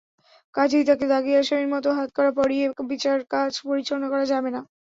কাজেই তাকে দাগি আসামির মতো হাতকড়া পরিয়ে বিচারকাজ পরিচালনা করা যাবে না।